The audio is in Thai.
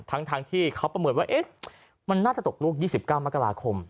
ทั้งที่เขาประเมินว่ามันน่าจะตกลูก๒๙มกราคม